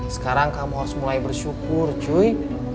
sekarang kamu harus mulai bersyukur cuy